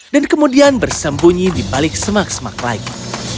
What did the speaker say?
dan kemudian bersembunyi di balik semak semak lagi